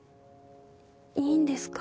いいんですか？